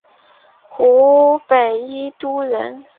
湖北宜都人。